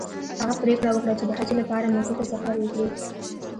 هغه پریکړه وکړه چې د حج لپاره مکې ته سفر وکړي.